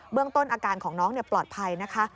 เรื่องต้นอาการของน้องปลอดภัยนะคะ